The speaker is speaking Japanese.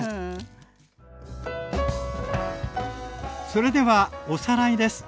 それではおさらいです。